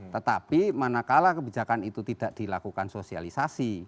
tetapi mana kalah kebijakan itu tidak dilakukan sosialisasi